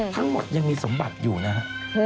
ทั้งหมดยังมีสมบัติอยู่นะฮะ